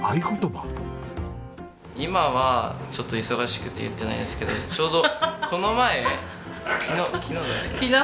今はちょっと忙しくて言ってないんですけどちょうどこの前昨日だよね？